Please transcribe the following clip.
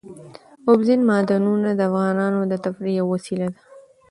اوبزین معدنونه د افغانانو د تفریح یوه وسیله ده.